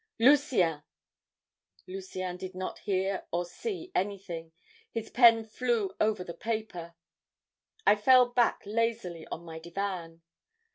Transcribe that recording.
"'Lucien!' "Lucien did not hear or see anything, his pen flew over the paper. "I fell hack lazily on my divan.